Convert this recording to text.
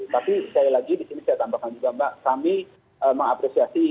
tapi saya lagi disini saya tambahkan juga mbak kami mengapresiasi